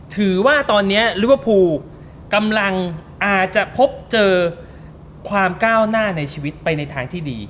ถือว่าตอนนี้ลิเวอร์พูลกำลังอาจจะพบเจอความก้าวหน้าในชีวิตไปในทางที่ดี